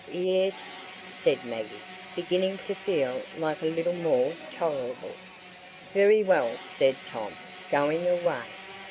"Ye e es," said Maggie, beginning to feel life a little more tolerable. "Very well," said Tom, going away.